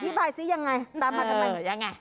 อธิบายซิยังไงตามมากันไหม